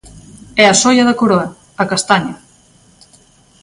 E a xoia da coroa, a castaña.